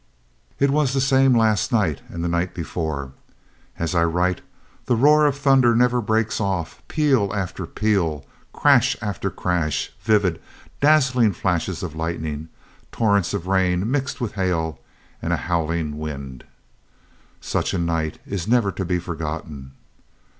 "It was the same last night and the night before. As I write, the roar of thunder never once breaks off, peal after peal, crash after crash, vivid, dazzling flashes of lightning, torrents of rain mixed with hail, and a howling wind. "Such a night is never to be forgotten.